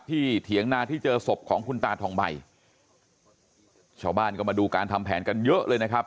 เถียงนาที่เจอศพของคุณตาทองใบชาวบ้านก็มาดูการทำแผนกันเยอะเลยนะครับ